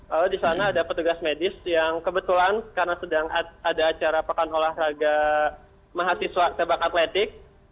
lalu di sana ada petugas medis yang kebetulan karena sedang ada acara pekan olahraga mahasiswa tebak atletik